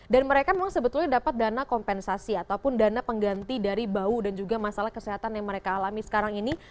dan mereka memang sebetulnya dapat dana kompensasi ataupun dana pengganti dari bau dan juga masalah kesehatan yang mereka alami sekarang ini